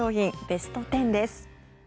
ベスト１０です。